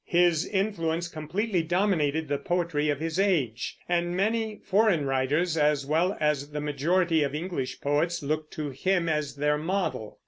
His influence completely dominated the poetry of his age, and many foreign writers, as well as the majority of English poets, looked to him as their model.